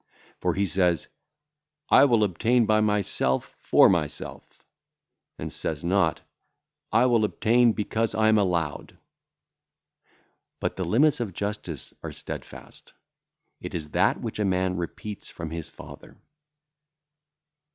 For he saith, 'I will obtain by myself for myself,' and saith not, 'I will obtain because I am allowed.' But the limits of justice are steadfast; it is that which a man repeateth from his father.